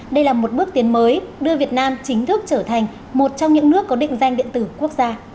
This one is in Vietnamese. đây là một bước tiến mới đưa việt nam chính thức trở thành một trong những nước có định danh điện tử quốc gia